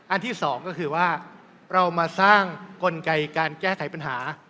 ที่สองก็คือว่าเรามาสร้างกลไกการแก้ไขปัญหา